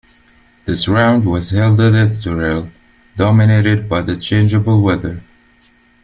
This round was held at Estoril, dominated by the changeable weather.